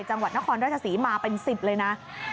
จังหวัดนครราชศรีมาเป็น๑๐เลยนะ